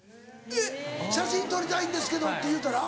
えっ「写真撮りたいんですけど」って言うたら？